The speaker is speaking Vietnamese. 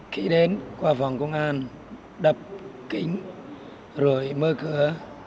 khi đến qua vòng công an đập kính rồi mơ cửa